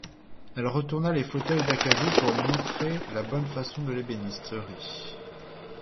Elle retourna les fauteuils d'acajou pour montrer la bonne façon de l'ébénisterie.